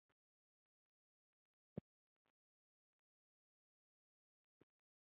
کار ته د کسبګرو او کارګرو جذبول ممکن شول.